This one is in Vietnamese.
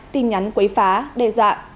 tin nhắn quấy phá đe dọa